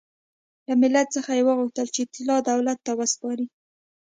له ملت څخه یې وغوښتل چې طلا دولت ته وسپاري.